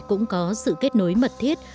cũng có sự kết nối mật thiết